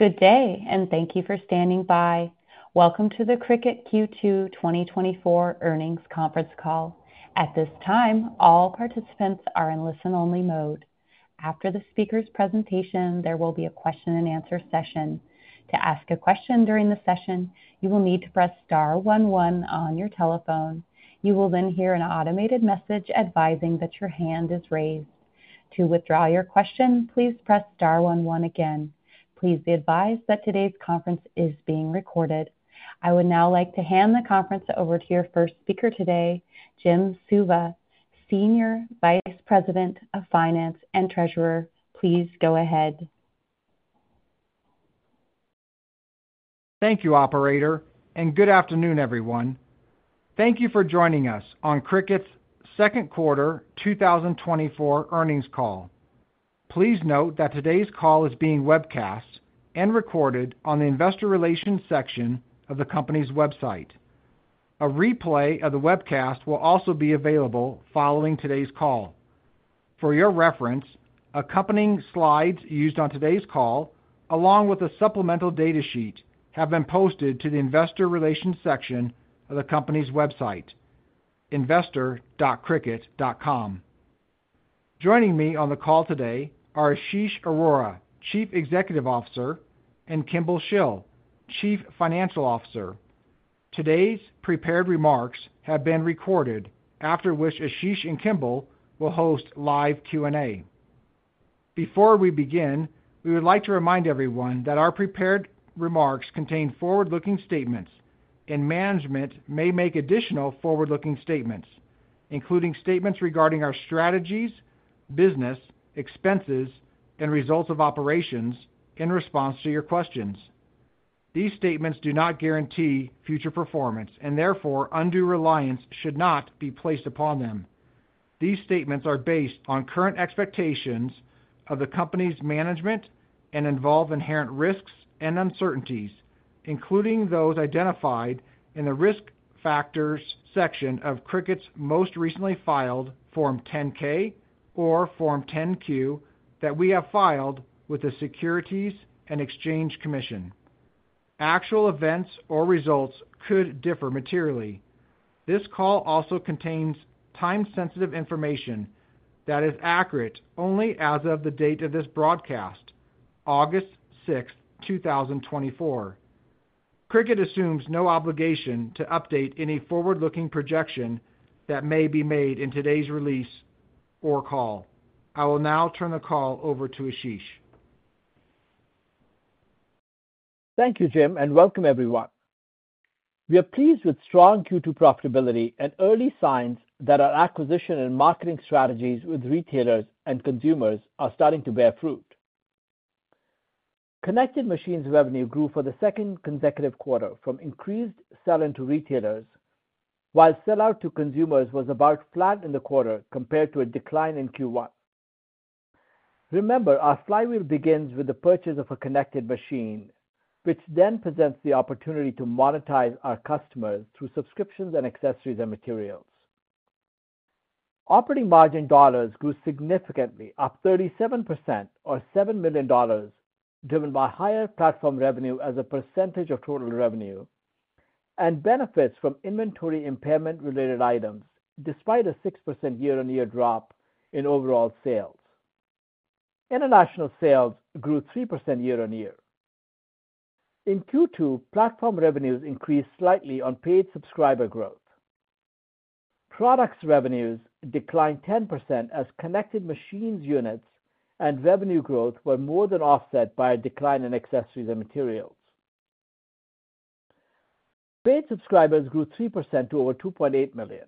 Good day, and thank you for standing by. Welcome to the Cricut Q2 2024 earnings conference call. At this time, all participants are in listen-only mode. After the speaker's presentation, there will be a question-and-answer session. To ask a question during the session, you will need to press star one one on your telephone. You will then hear an automated message advising that your hand is raised. To withdraw your question, please press star one one again. Please be advised that today's conference is being recorded. I would now like to hand the conference over to your first speaker today, Jim Suva, Senior Vice President of Finance and Treasurer. Please go ahead. Thank you, operator, and good afternoon, everyone. Thank you for joining us on Cricut's second quarter 2024 earnings call. Please note that today's call is being webcast and recorded on the investor relations section of the company's website. A replay of the webcast will also be available following today's call. For your reference, accompanying slides used on today's call, along with a supplemental data sheet, have been posted to the investor relations section of the company's website, investor.cricut.com. Joining me on the call today are Ashish Arora, Chief Executive Officer, and Kimball Shill, Chief Financial Officer. Today's prepared remarks have been recorded, after which Ashish and Kimball will host live Q&A. Before we begin, we would like to remind everyone that our prepared remarks contain forward-looking statements, and management may make additional forward-looking statements, including statements regarding our strategies, business, expenses, and results of operations in response to your questions. These statements do not guarantee future performance, and therefore, undue reliance should not be placed upon them. These statements are based on current expectations of the company's management and involve inherent risks and uncertainties, including those identified in the Risk Factors section of Cricut's most recently filed Form 10-K or Form 10-Q that we have filed with the Securities and Exchange Commission. Actual events or results could differ materially. This call also contains time-sensitive information that is accurate only as of the date of this broadcast, August 6th, 2024. Cricut assumes no obligation to update any forward-looking projection that may be made in today's release or call. I will now turn the call over to Ashish. Thank you, Jim, and welcome everyone. We are pleased with strong Q2 profitability and early signs that our acquisition and marketing strategies with retailers and consumers are starting to bear fruit. Connected machines revenue grew for the second consecutive quarter from increased sell-in to retailers, while sell-out to consumers was about flat in the quarter compared to a decline in Q1. Remember, our flywheel begins with the purchase of a connected machine, which then presents the opportunity to monetize our customers through subscriptions and accessories and materials. Operating margin dollars grew significantly, up 37% or $7 million, driven by higher platform revenue as a percentage of total revenue and benefits from inventory impairment-related items, despite a 6% year-on-year drop in overall sales. International sales grew 3% year-on-year. In Q2, platform revenues increased slightly on paid subscriber growth. Products revenues declined 10% as connected machines unit and revenue growth were more than offset by a decline in accessories and materials. Paid subscribers grew 3% to over 2.8 million.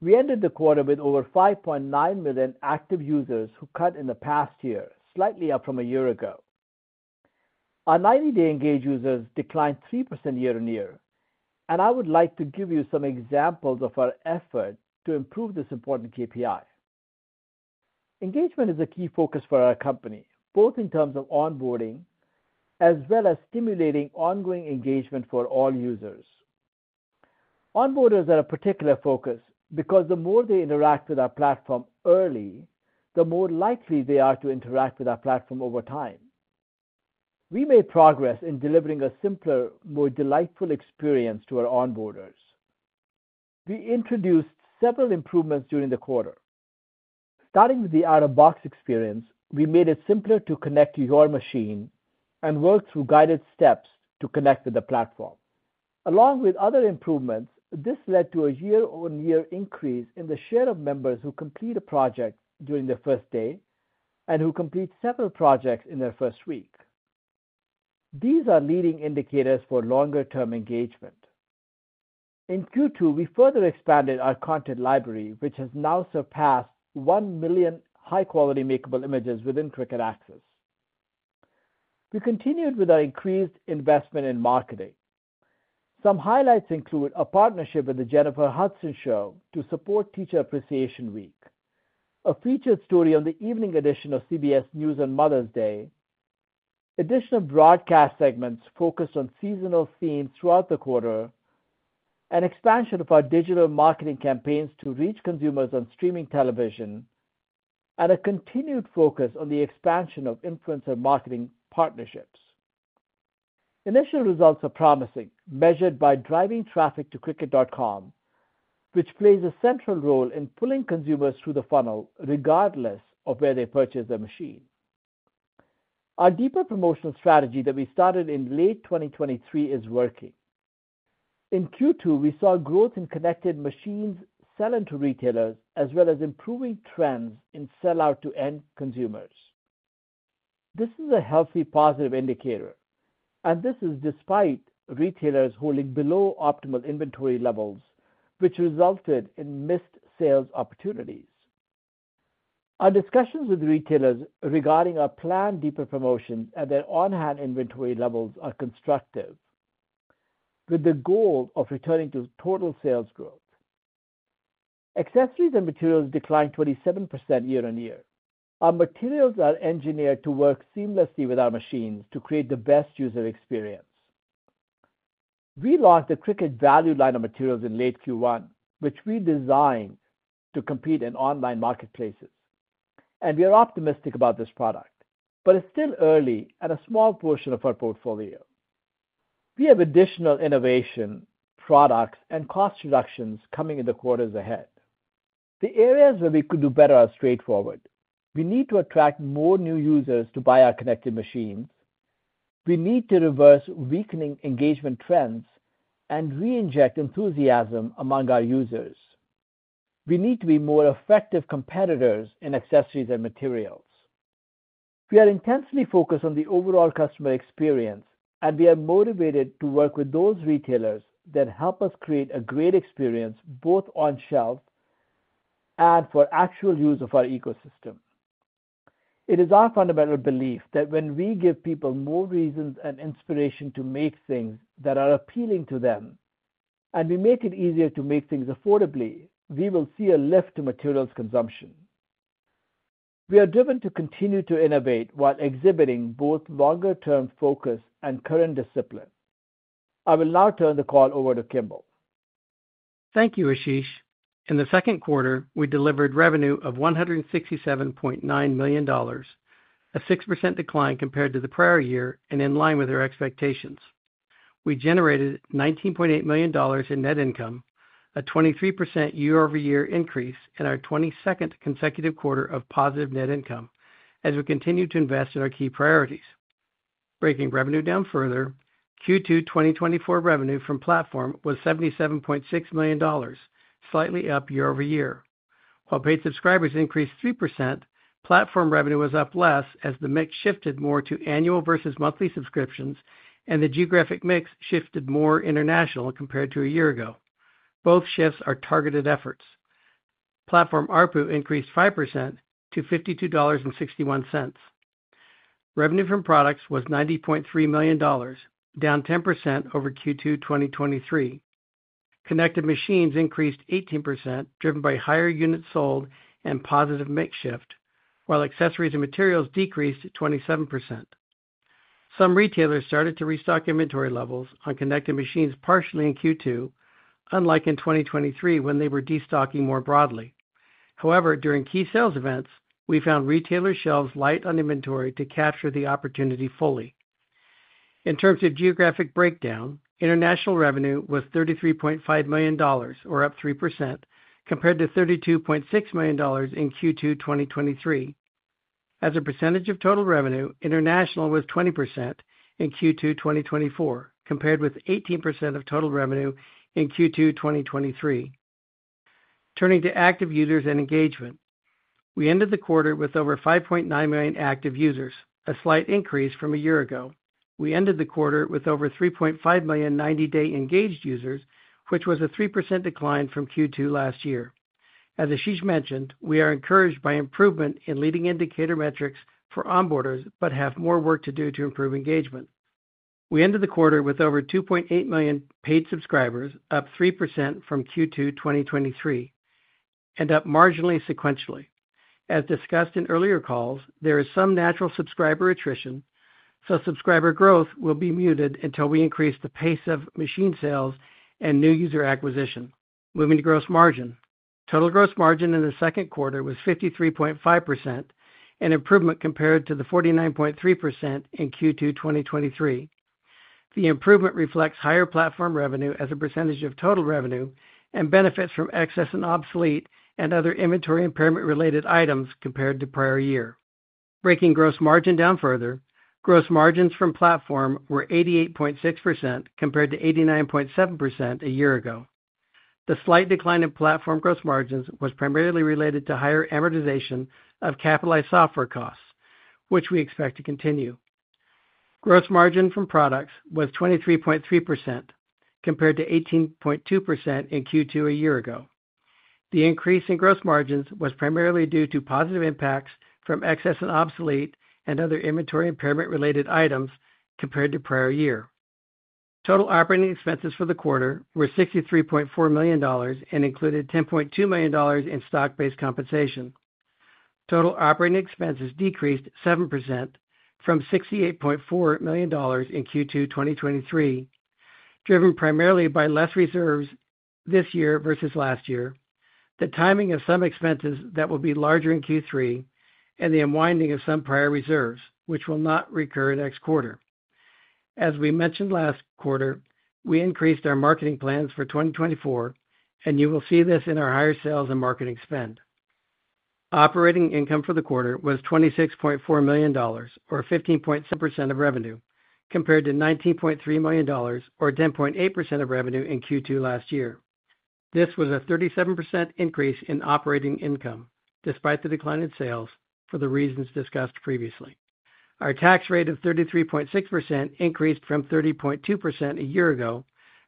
We ended the quarter with over 5.9 million active users who cut in the past year, slightly up from a year ago. Our 90-day engaged users declined 3% year-over-year, and I would like to give you some examples of our effort to improve this important KPI. Engagement is a key focus for our company, both in terms of onboarding as well as stimulating ongoing engagement for all users. Onboarders are a particular focus because the more they interact with our platform early, the more likely they are to interact with our platform over time. We made progress in delivering a simpler, more delightful experience to our onboarders. We introduced several improvements during the quarter. Starting with the out-of-box experience, we made it simpler to connect your machine and work through guided steps to connect with the platform. Along with other improvements, this led to a year-on-year increase in the share of members who complete a project during their first day and who complete several projects in their first week. These are leading indicators for longer-term engagement. In Q2, we further expanded our content library, which has now surpassed 1 million high-quality makeable images within Cricut Access. We continued with our increased investment in marketing. Some highlights include a partnership with the Jennifer Hudson Show to support Teacher Appreciation Week, a featured story on the evening edition of CBS News on Mother's Day, additional broadcast segments focused on seasonal themes throughout the quarter-... an expansion of our digital marketing campaigns to reach consumers on streaming television, and a continued focus on the expansion of influencer marketing partnerships. Initial results are promising, measured by driving traffic to cricut.com, which plays a central role in pulling consumers through the funnel, regardless of where they purchase their machine. Our deeper promotional strategy that we started in late 2023 is working. In Q2, we saw growth in connected machines selling to retailers, as well as improving trends in sellout to end consumers. This is a healthy, positive indicator, and this is despite retailers holding below optimal inventory levels, which resulted in missed sales opportunities. Our discussions with retailers regarding our planned deeper promotions and their on-hand inventory levels are constructive, with the goal of returning to total sales growth. Accessories and materials declined 27% year-on-year. Our materials are engineered to work seamlessly with our machines to create the best user experience. We launched the Cricut Value line of materials in late Q1, which we designed to compete in online marketplaces, and we are optimistic about this product, but it's still early and a small portion of our portfolio. We have additional innovation, products, and cost reductions coming in the quarters ahead. The areas where we could do better are straightforward. We need to attract more new users to buy our connected machines. We need to reverse weakening engagement trends and reinject enthusiasm among our users. We need to be more effective competitors in accessories and materials. We are intensely focused on the overall customer experience, and we are motivated to work with those retailers that help us create a great experience, both on shelf and for actual use of our ecosystem. It is our fundamental belief that when we give people more reasons and inspiration to make things that are appealing to them, and we make it easier to make things affordably, we will see a lift to materials consumption. We are driven to continue to innovate while exhibiting both longer-term focus and current discipline. I will now turn the call over to Kimball. Thank you, Ashish. In the second quarter, we delivered revenue of $167.9 million, a 6% decline compared to the prior year and in line with our expectations. We generated $19.8 million in net income, a 23% year-over-year increase, and our 22nd consecutive quarter of positive net income as we continue to invest in our key priorities. Breaking revenue down further, Q2 2024 revenue from platform was $77.6 million, slightly up year-over-year. While paid subscribers increased 3%, platform revenue was up less as the mix shifted more to annual versus monthly subscriptions, and the geographic mix shifted more international compared to a year ago. Both shifts are targeted efforts. Platform ARPU increased 5% to $52.61. Revenue from products was $90.3 million, down 10% over Q2 2023. Connected machines increased 18%, driven by higher units sold and positive mix shift, while accessories and materials decreased 27%. Some retailers started to restock inventory levels on connected machines, partially in Q2, unlike in 2023, when they were destocking more broadly. However, during key sales events, we found retailer shelves light on inventory to capture the opportunity fully. In terms of geographic breakdown, international revenue was $33.5 million, or up 3% compared to $32.6 million in Q2 2023. As a percentage of total revenue, international was 20% in Q2 2024, compared with 18% of total revenue in Q2 2023. Turning to active users and engagement, we ended the quarter with over 5.9 million active users, a slight increase from a year ago. We ended the quarter with over 3.5 million 90-day engaged users, which was a 3% decline from Q2 last year. As Ashish mentioned, we are encouraged by improvement in leading indicator metrics for onboarders, but have more work to do to improve engagement. We ended the quarter with over 2.8 million paid subscribers, up 3% from Q2 2023, and up marginally sequentially. As discussed in earlier calls, there is some natural subscriber attrition, so subscriber growth will be muted until we increase the pace of machine sales and new user acquisition. Moving to gross margin. Total gross margin in the second quarter was 53.5%, an improvement compared to the 49.3% in Q2 2023. The improvement reflects higher platform revenue as a percentage of total revenue, and benefits from excess and obsolete and other inventory impairment-related items compared to prior year. Breaking gross margin down further, gross margins from platform were 88.6%, compared to 89.7% a year ago. The slight decline in platform gross margins was primarily related to higher amortization of capitalized software costs, which we expect to continue. Gross margin from products was 23.3%, compared to 18.2% in Q2 a year ago. The increase in gross margins was primarily due to positive impacts from excess and obsolete and other inventory impairment-related items compared to prior year. Total operating expenses for the quarter were $63.4 million and included $10.2 million in stock-based compensation. Total operating expenses decreased 7% from $68.4 million in Q2 2023, driven primarily by less reserves this year versus last year, the timing of some expenses that will be larger in Q3, and the unwinding of some prior reserves, which will not recur next quarter. As we mentioned last quarter, we increased our marketing plans for 2024, and you will see this in our higher sales and marketing spend. Operating income for the quarter was $26.4 million, or 15.7% of revenue, compared to $19.3 million or 10.8% of revenue in Q2 last year. This was a 37% increase in operating income, despite the decline in sales for the reasons discussed previously. Our tax rate of 33.6% increased from 30.2% a year ago,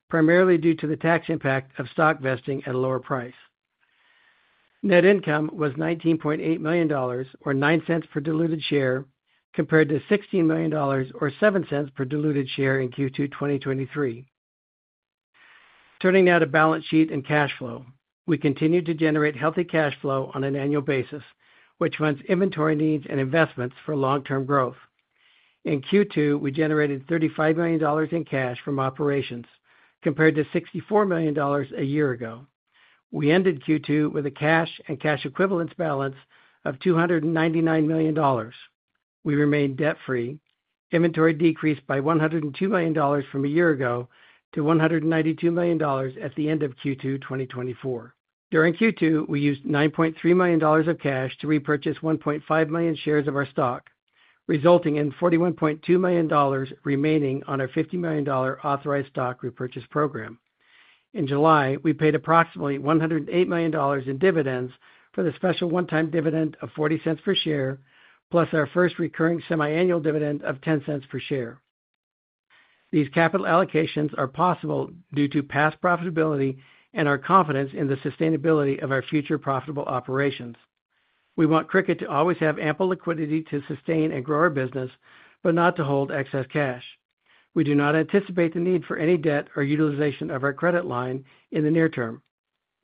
primarily due to the tax impact of stock vesting at a lower price. Net income was $19.8 million, or $0.09 per diluted share, compared to $16 million, or $0.07 per diluted share in Q2 2023. Turning now to balance sheet and cash flow. We continue to generate healthy cash flow on an annual basis, which funds inventory needs and investments for long-term growth. In Q2, we generated $35 million in cash from operations, compared to $64 million a year ago. We ended Q2 with a cash and cash equivalents balance of $299 million. We remained debt-free. Inventory decreased by $102 million from a year ago to $192 million at the end of Q2 2024. During Q2, we used $9.3 million of cash to repurchase 1.5 million shares of our stock, resulting in $41.2 million remaining on our $50-million authorized stock repurchase program. In July, we paid approximately $108 million in dividends for the special one-time dividend of $0.40 per share, plus our first recurring semiannual dividend of $0.10 per share. These capital allocations are possible due to past profitability and our confidence in the sustainability of our future profitable operations. We want Cricut to always have ample liquidity to sustain and grow our business, but not to hold excess cash. We do not anticipate the need for any debt or utilization of our credit line in the near term.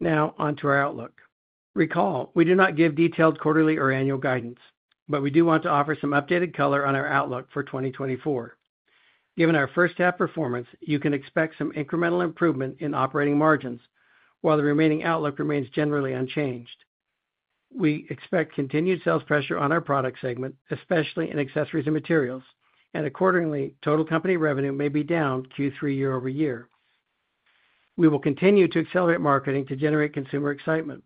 Now on to our outlook. Recall, we do not give detailed quarterly or annual guidance, but we do want to offer some updated color on our outlook for 2024. Given our first half performance, you can expect some incremental improvement in operating margins, while the remaining outlook remains generally unchanged. We expect continued sales pressure on our product segment, especially in accessories and materials, and accordingly, total company revenue may be down Q3 year-over-year. We will continue to accelerate marketing to generate consumer excitement.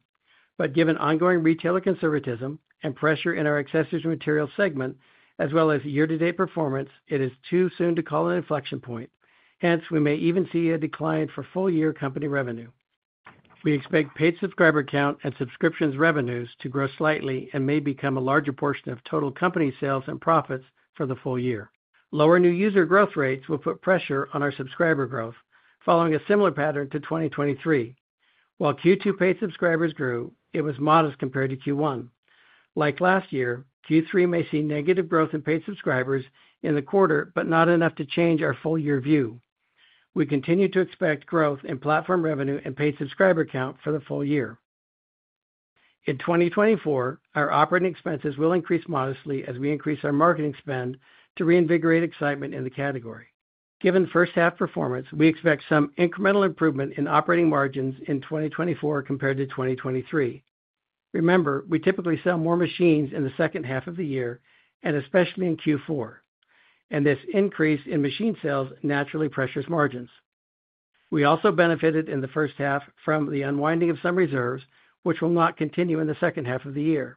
But given ongoing retailer conservatism and pressure in our accessories and materials segment, as well as year-to-date performance, it is too soon to call an inflection point. Hence, we may even see a decline for full-year company revenue. We expect paid subscriber count and subscriptions revenues to grow slightly and may become a larger portion of total company sales and profits for the full year. Lower new user growth rates will put pressure on our subscriber growth, following a similar pattern to 2023. While Q2 paid subscribers grew, it was modest compared to Q1. Like last year, Q3 may see negative growth in paid subscribers in the quarter, but not enough to change our full year view. We continue to expect growth in platform revenue and paid subscriber count for the full year. In 2024, our operating expenses will increase modestly as we increase our marketing spend to reinvigorate excitement in the category. Given first-half performance, we expect some incremental improvement in operating margins in 2024 compared to 2023. Remember, we typically sell more machines in the second half of the year, and especially in Q4, and this increase in machine sales naturally pressures margins. We also benefited in the first half from the unwinding of some reserves, which will not continue in the second half of the year.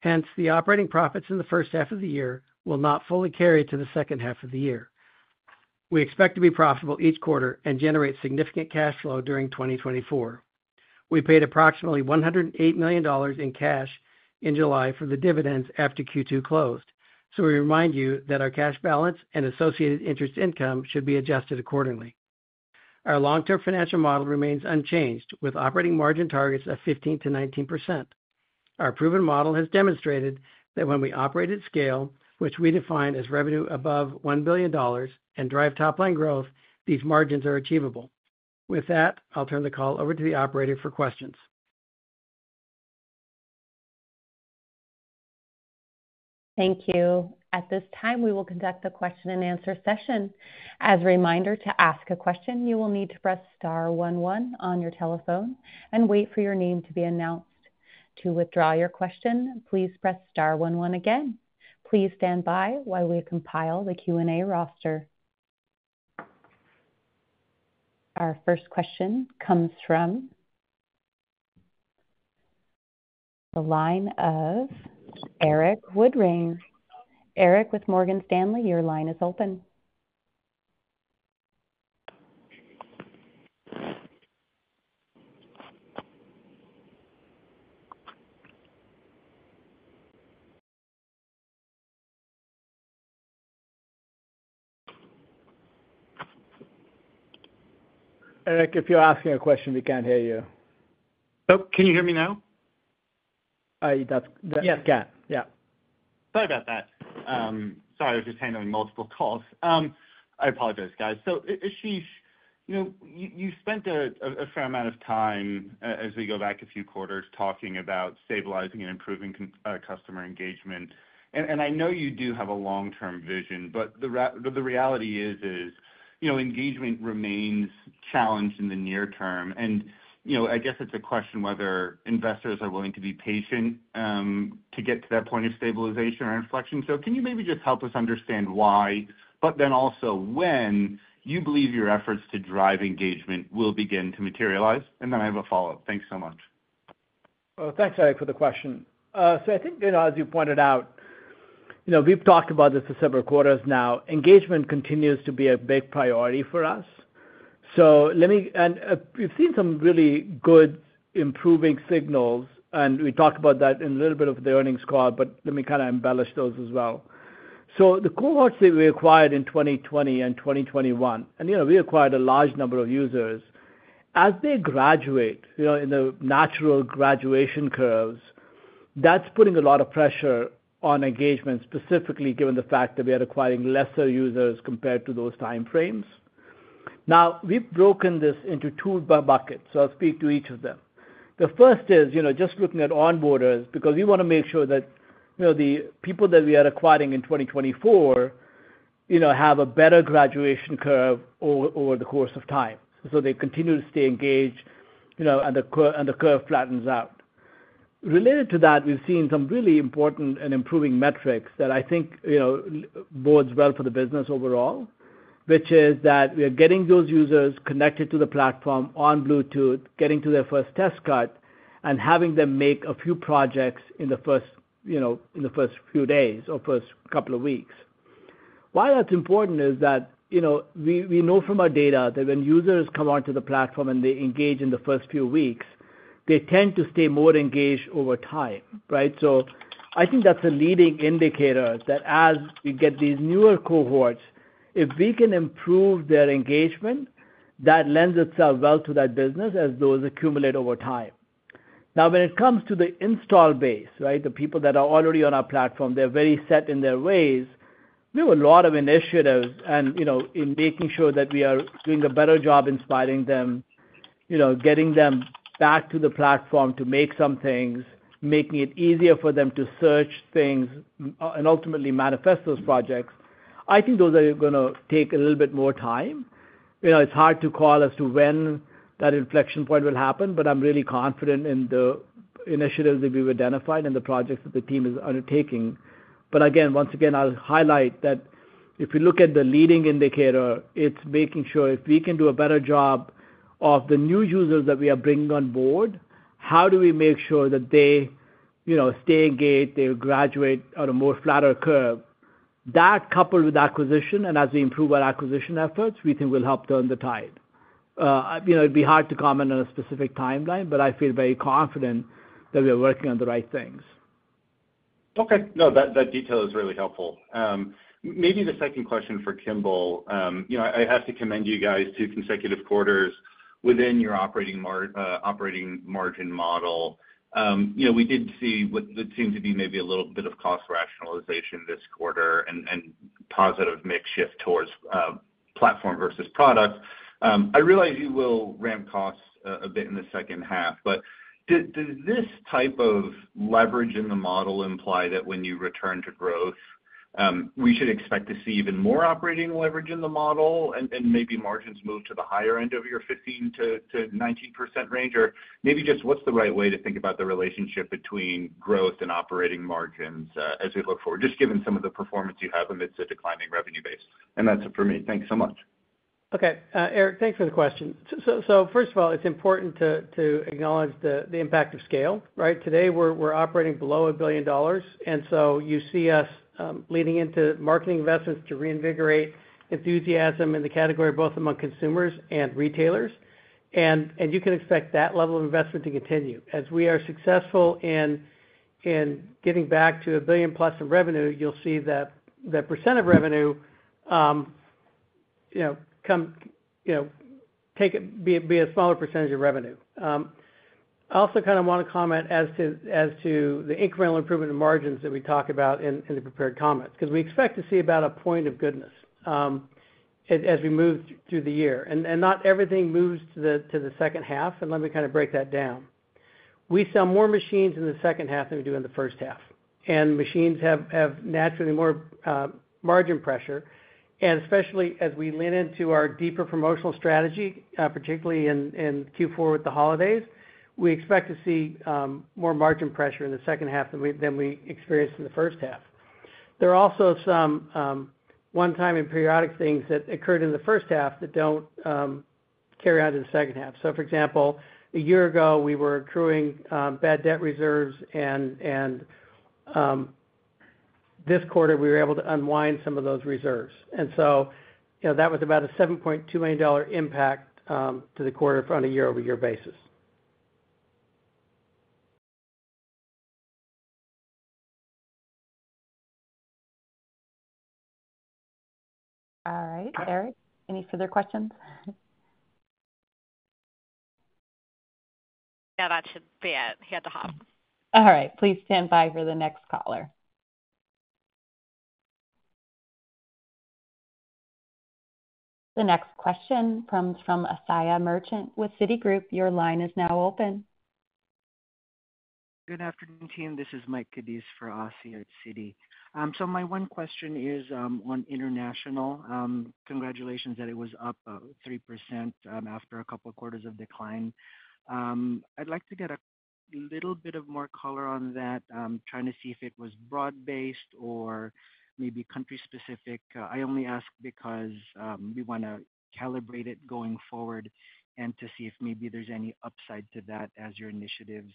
Hence, the operating profits in the first half of the year will not fully carry to the second half of the year. We expect to be profitable each quarter and generate significant cash flow during 2024. We paid approximately $108 million in cash in July for the dividends after Q2 closed, so we remind you that our cash balance and associated interest income should be adjusted accordingly. Our long-term financial model remains unchanged, with operating margin targets of 15%-19%. Our proven model has demonstrated that when we operate at scale, which we define as revenue above $1 billion and drive top line growth, these margins are achievable. With that, I'll turn the call over to the operator for questions. Thank you. At this time, we will conduct a question-and-answer session. As a reminder, to ask a question, you will need to press star one one on your telephone and wait for your name to be announced. To withdraw your question, please press star one one again. Please stand by while we compile the Q&A roster. Our first question comes from the line of Erik Woodring. Erik, with Morgan Stanley, your line is open. Eric, if you're asking a question, we can't hear you. Oh, can you hear me now? Yes, yeah. Sorry about that. Sorry, I was just hanging on multiple calls. I apologize, guys. So Ashish, you know, you spent a fair amount of time, as we go back a few quarters, talking about stabilizing and improving customer engagement. And I know you do have a long-term vision, but the reality is, you know, engagement remains challenged in the near term. And you know, I guess it's a question whether investors are willing to be patient to get to that point of stabilization or inflection. So can you maybe just help us understand why, but then also when you believe your efforts to drive engagement will begin to materialize? And then I have a follow-up. Thanks so much. Well, thanks, Eric, for the question. So I think, you know, as you pointed out, you know, we've talked about this for several quarters now. Engagement continues to be a big priority for us. So let me, and we've seen some really good improving signals, and we talked about that in a little bit of the earnings call, but let me kind of embellish those as well. So the cohorts that we acquired in 2020 and 2021, and, you know, we acquired a large number of users. As they graduate, you know, in the natural graduation curves, that's putting a lot of pressure on engagement, specifically given the fact that we are acquiring lesser users compared to those time frames. Now, we've broken this into two buckets, so I'll speak to each of them. The first is, you know, just looking at onboarders, because we wanna make sure that, you know, the people that we are acquiring in 2024, you know, have a better graduation curve over the course of time, so they continue to stay engaged, you know, and the curve flattens out. Related to that, we've seen some really important and improving metrics that I think, you know, bodes well for the business overall, which is that we are getting those users connected to the platform on Bluetooth, getting to their first test cut, and having them make a few projects in the first, you know, in the first few days or first couple of weeks. Why that's important is that, you know, we know from our data that when users come onto the platform and they engage in the first few weeks, they tend to stay more engaged over time, right? So I think that's a leading indicator that as we get these newer cohorts, if we can improve their engagement, that lends itself well to that business as those accumulate over time. Now, when it comes to the install base, right, the people that are already on our platform, they're very set in their ways. We have a lot of initiatives and, you know, in making sure that we are doing a better job inspiring them, you know, getting them back to the platform to make some things, making it easier for them to search things, and ultimately manifest those projects. I think those are gonna take a little bit more time. You know, it's hard to call as to when that inflection point will happen, but I'm really confident in the initiatives that we've identified and the projects that the team is undertaking. But again, once again, I'll highlight that if you look at the leading indicator, it's making sure if we can do a better job of the new users that we are bringing on board, how do we make sure that they, you know, stay engaged, they graduate on a more flatter curve? That, coupled with acquisition, and as we improve our acquisition efforts, we think will help turn the tide. You know, it'd be hard to comment on a specific timeline, but I feel very confident that we are working on the right things. Okay. No, that detail is really helpful. Maybe the second question for Kimball. You know, I have to commend you guys, two consecutive quarters within your operating margin model. You know, we did see what would seem to be maybe a little bit of cost rationalization this quarter and positive mix shift towards platform versus product. I realize you will ramp costs a bit in the second half, but does this type of leverage in the model imply that when you return to growth, we should expect to see even more operating leverage in the model and maybe margins move to the higher end of your 15%-19% range? Or maybe just what's the right way to think about the relationship between growth and operating margins, as we look forward, just given some of the performance you have amidst a declining revenue base? And that's it for me. Thank you so much. Okay. Eric, thanks for the question. So, first of all, it's important to acknowledge the impact of scale, right? Today, we're operating below $1 billion, and so you see us leaning into marketing investments to reinvigorate enthusiasm in the category, both among consumers and retailers. And you can expect that level of investment to continue. As we are successful in getting back to $1 billion+ in revenue, you'll see that percent of revenue, you know, come to be a smaller percentage of revenue. I also kind of wanna comment as to the incremental improvement in margins that we talk about in the prepared comments, because we expect to see about a point of goodness as we move through the year. Not everything moves to the second half, and let me kind of break that down. We sell more machines in the second half than we do in the first half, and machines have naturally more margin pressure. And especially as we lean into our deeper promotional strategy, particularly in Q4 with the holidays, we expect to see more margin pressure in the second half than we experienced in the first half. There are also some one-time and periodic things that occurred in the first half that don't carry out in the second half. So for example, a year ago, we were accruing bad debt reserves, and this quarter, we were able to unwind some of those reserves. So, you know, that was about a $7.2-million impact to the quarter on a year-over-year basis. All right. Eric, any further questions? All right, please stand by for the next caller. The next question comes from Asiya Merchant with Citigroup. Your line is now open. Good afternoon, team. This is Mike Cadiz for Asiya at Citi. My one question is on international. Congratulations that it was up 3% after a couple quarters of decline. I'd like to get a little bit more color on that. I'm trying to see if it was broad-based or maybe country-specific. I only ask because we wanna calibrate it going forward and to see if maybe there's any upside to that as your initiatives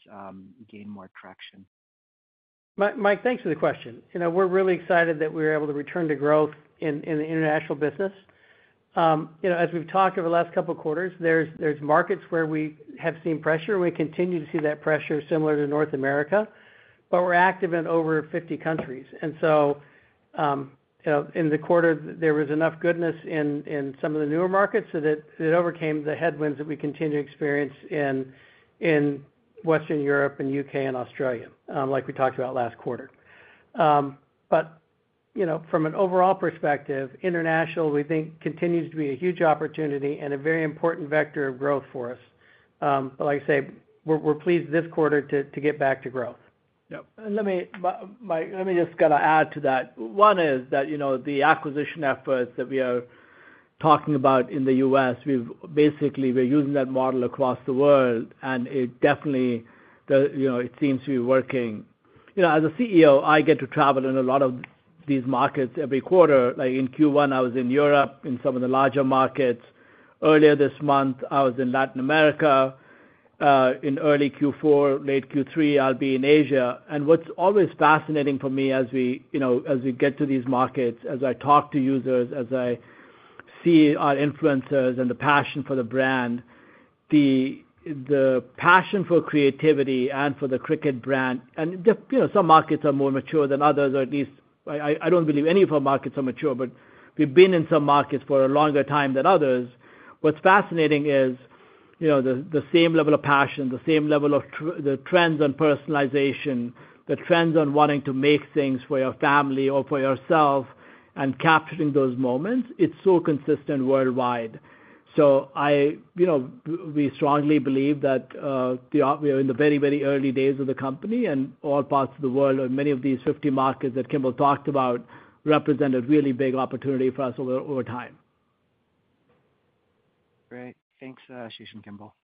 gain more traction. Mike, thanks for the question. You know, we're really excited that we were able to return to growth in the international business. You know, as we've talked over the last couple of quarters, there are markets where we have seen pressure, and we continue to see that pressure similar to North America, but we're active in over 50 countries. And so, you know, in the quarter, there was enough goodness in some of the newer markets so that it overcame the headwinds that we continue to experience in Western Europe and UK and Australia, like we talked about last quarter. But, you know, from an overall perspective, international, we think, continues to be a huge opportunity and a very important vector of growth for us. But like I say, we're pleased this quarter to get back to growth. Yeah. And let me, Mike, let me just kinda add to that. One is that, you know, the acquisition efforts that we are talking about in the U.S., we've basically, we're using that model across the world, and it definitely, the, you know, it seems to be working. You know, as a CEO, I get to travel in a lot of these markets every quarter. Like, in Q1, I was in Europe, in some of the larger markets. Earlier this month, I was in Latin America. In early Q4, late Q3, I'll be in Asia. And what's always fascinating for me as we, you know, as we get to these markets, as I talk to users, as I see our influencers and the passion for the brand, the passion for creativity and for the Cricut brand, and, you know, some markets are more mature than others, or at least I don't believe any of our markets are mature, but we've been in some markets for a longer time than others. What's fascinating is, you know, the same level of passion, the same level of the trends on personalization, the trends on wanting to make things for your family or for yourself and capturing those moments, it's so consistent worldwide. So I... You know, we strongly believe that we are in the very, very early days of the company, and all parts of the world, or many of these 50 markets that Kimball talked about, represent a really big opportunity for us over time. Great. Thanks, Ashish and Kimball.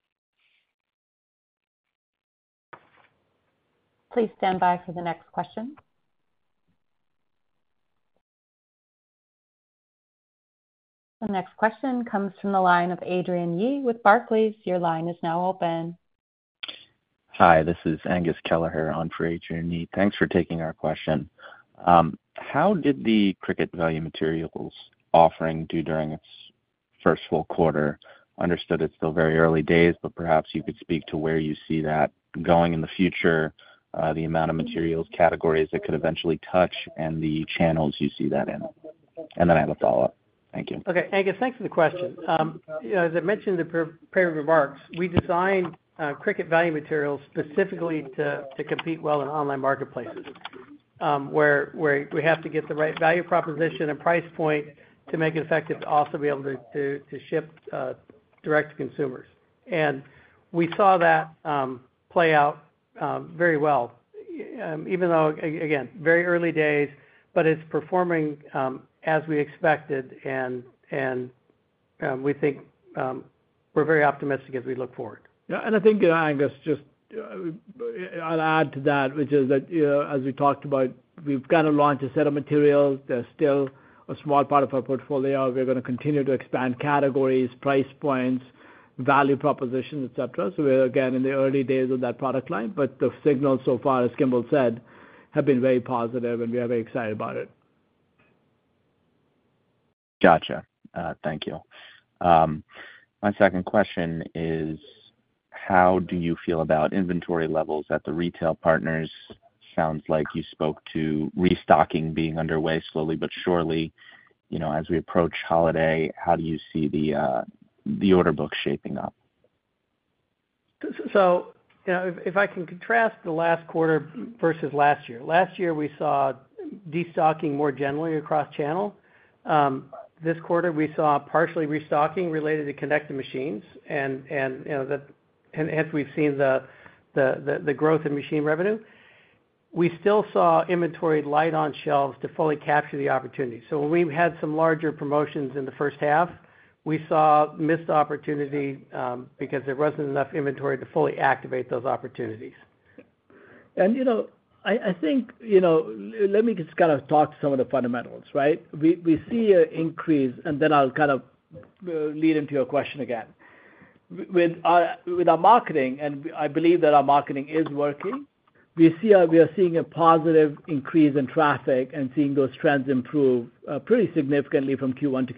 Please stand by for the next question. The next question comes from the line of Adrian Yee with Barclays. Your line is now open. Hi, this is Angus Kelleher on for Adrian Yee. Thanks for taking our question. How did the Cricut value materials offering do during its first full quarter? Understood it's still very early days, but perhaps you could speak to where you see that going in the future, the amount of materials categories that could eventually touch and the channels you see that in. And then I have a follow-up. Thank you. Okay, Angus, thanks for the question. You know, as I mentioned in the pre-prepared remarks, we designed Cricut Value Materials specifically to compete well in online marketplaces, where we have to get the right value proposition and price point to make it effective to also be able to ship direct to consumers. And we saw that play out very well. Even though, again, very early days, but it's performing as we expected, and we think... We're very optimistic as we look forward. Yeah, and I think, Angus, just, I'll add to that, which is that, you know, as we talked about, we've kinda launched a set of materials. They're still a small part of our portfolio. We're gonna continue to expand categories, price points, value propositions, et cetera. So we're, again, in the early days of that product line, but the signals so far, as Kimball said, have been very positive, and we are very excited about it. Gotcha. Thank you. My second question is: How do you feel about inventory levels at the retail partners? Sounds like you spoke to restocking being underway slowly but surely. You know, as we approach holiday, how do you see the order book shaping up? So, you know, if I can contrast the last quarter versus last year. Last year, we saw destocking more generally across channel. This quarter, we saw partially restocking related to connected machines and, you know, the growth in machine revenue. We still saw inventory light on shelves to fully capture the opportunity. So when we had some larger promotions in the first half, we saw missed opportunity because there wasn't enough inventory to fully activate those opportunities. You know, I think, you know, let me just kind of talk to some of the fundamentals, right? We see a increase, and then I'll kind of lead into your question again. With our marketing, I believe that our marketing is working. We are seeing a positive increase in traffic and seeing those trends improve pretty significantly from Q1 to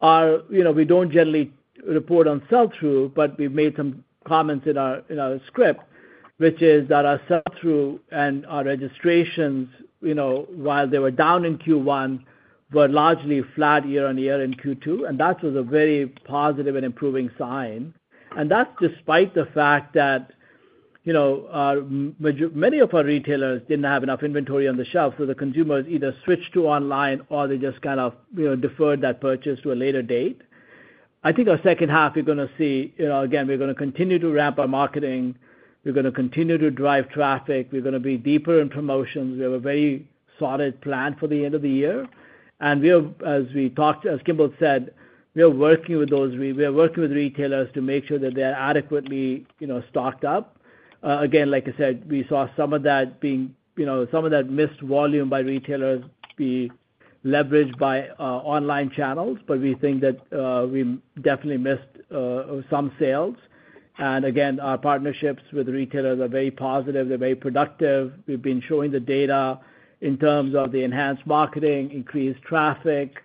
Q2. You know, we don't generally report on sell-through, but we've made some comments in our script, which is that our sell-through and our registrations, you know, while they were down in Q1, were largely flat year-on-year in Q2, and that was a very positive and improving sign. And that's despite the fact that, you know, many of our retailers didn't have enough inventory on the shelf, so the consumers either switched to online or they just kind of, you know, deferred that purchase to a later date. I think our second half, you're gonna see, you know, again, we're gonna continue to ramp our marketing, we're gonna continue to drive traffic, we're gonna be deeper in promotions. We have a very solid plan for the end of the year, and we have, as we talked, as Kimball said, we are working with retailers to make sure that they are adequately, you know, stocked up. Again, like I said, we saw some of that being, you know, some of that missed volume by retailers be leveraged by online channels, but we think that we definitely missed some sales. And again, our partnerships with retailers are very positive, they're very productive. We've been showing the data in terms of the enhanced marketing, increased traffic,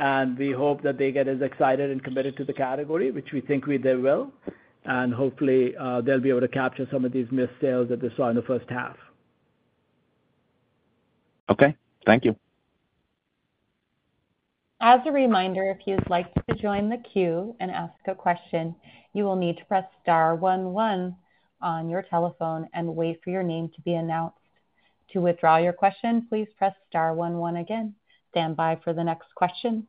and we hope that they get as excited and committed to the category, which we think we- they will. And hopefully, they'll be able to capture some of these missed sales that we saw in the first half. Okay, thank you. As a reminder, if you'd like to join the queue and ask a question, you will need to press star one one on your telephone and wait for your name to be announced. To withdraw your question, please press star one one again. Stand by for the next question.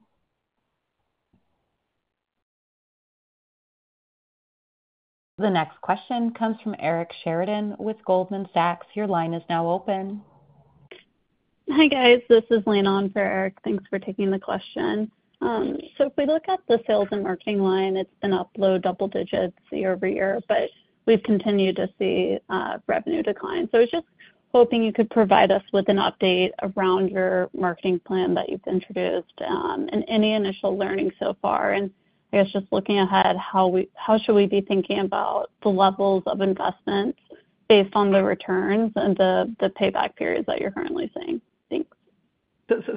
The next question comes from Eric Sheridan with Goldman Sachs. Your line is now open. Hi, guys. This is Lane on for Eric. Thanks for taking the question. So if we look at the sales and marketing line, it's been up low double digits year-over-year, but we've continued to see revenue decline. So I was just hoping you could provide us with an update around your marketing plan that you've introduced, and any initial learning so far. And I guess just looking ahead, how should we be thinking about the levels of investment based on the returns and the payback periods that you're currently seeing? Thanks.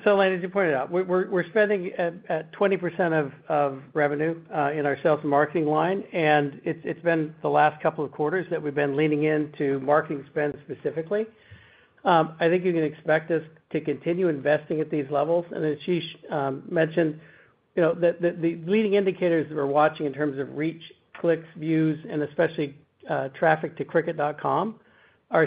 So, Lane, as you pointed out, we're spending at 20% of revenue in our sales and marketing line, and it's been the last couple of quarters that we've been leaning into marketing spend specifically. I think you can expect us to continue investing at these levels. And as Ashish mentioned, you know, the leading indicators that we're watching in terms of reach, clicks, views, and especially traffic to cricut.com, are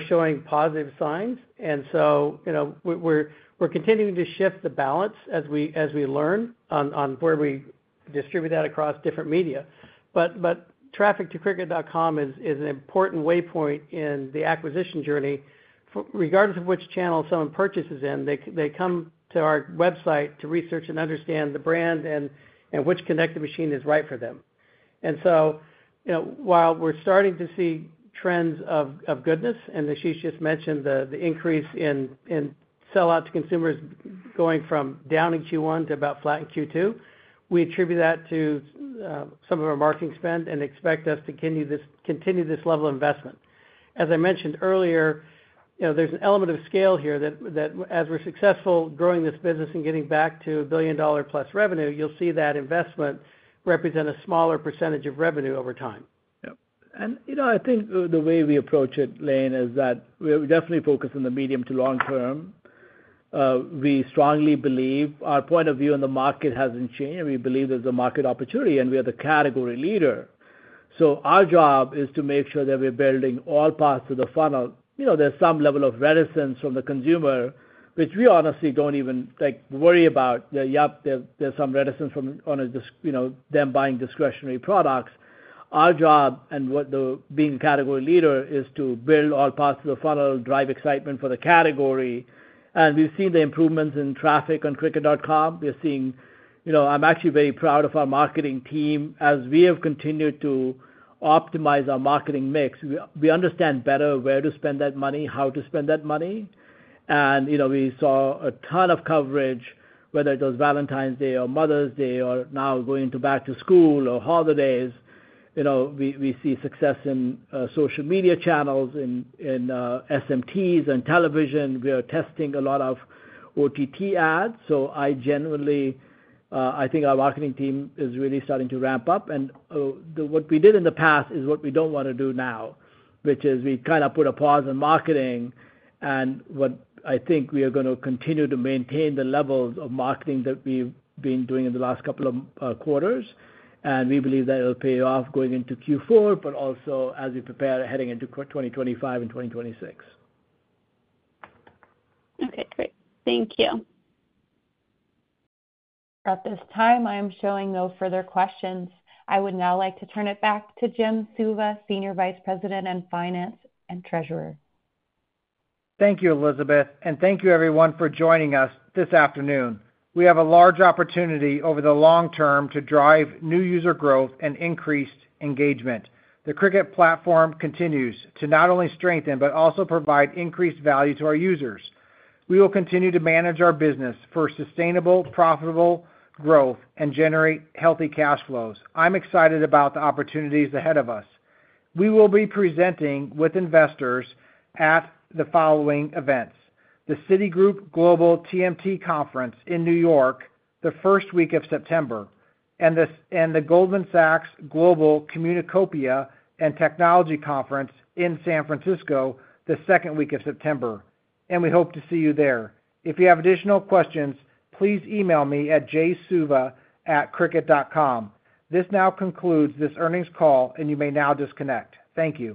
showing positive signs. And so, you know, we're continuing to shift the balance as we learn on where we distribute that across different media. But traffic to cricut.com is an important waypoint in the acquisition journey. Regardless of which channel someone purchases in, they come to our website to research and understand the brand and which connected machine is right for them. And so, you know, while we're starting to see trends of goodness, and Ashish just mentioned the increase in sell-out to consumers going from down in Q1 to about flat in Q2, we attribute that to some of our marketing spend and expect us to continue this level of investment. As I mentioned earlier, you know, there's an element of scale here that as we're successful growing this business and getting back to a billion-dollar-plus revenue, you'll see that investment represent a smaller percentage of revenue over time. Yep. And, you know, I think the way we approach it, Lane, is that we're definitely focused on the medium to long term. We strongly believe our point of view in the market hasn't changed, and we believe there's a market opportunity, and we are the category leader. So our job is to make sure that we're building all paths to the funnel. You know, there's some level of reticence from the consumer, which we honestly don't even, like, worry about. Yeah, yep, there's some reticence... you know, from them buying discretionary products. Our job, being category leader, is to build all parts of the funnel, drive excitement for the category, and we've seen the improvements in traffic on cricut.com. We're seeing... You know, I'm actually very proud of our marketing team. As we have continued to optimize our marketing mix, we understand better where to spend that money, how to spend that money. And, you know, we saw a ton of coverage, whether it was Valentine's Day or Mother's Day or now going to back to school or holidays. You know, we see success in social media channels, in SMTs and television. We are testing a lot of OTT ads, so I generally, I think our marketing team is really starting to ramp up. And what we did in the past is what we don't wanna do now, which is we kind of put a pause on marketing. What I think we are gonna continue to maintain the levels of marketing that we've been doing in the last couple of quarters, and we believe that it'll pay off going into Q4, but also as we prepare heading into Q 2025 and 2026. Okay, great. Thank you. At this time, I am showing no further questions. I would now like to turn it back to Jim Suva, Senior Vice President of Finance and Treasurer. Thank you, Elizabeth, and thank you everyone for joining us this afternoon. We have a large opportunity over the long term to drive new user growth and increased engagement. The Cricut platform continues to not only strengthen, but also provide increased value to our users. We will continue to manage our business for sustainable, profitable growth and generate healthy cash flows. I'm excited about the opportunities ahead of us. We will be presenting with investors at the following events: The Citigroup Global TMT Conference in New York, the first week of September, and the Goldman Sachs Global Communacopia and Technology Conference in San Francisco, the second week of September, and we hope to see you there. If you have additional questions, please email me at jsuva@cricut.com. This now concludes this earnings call, and you may now disconnect. Thank you.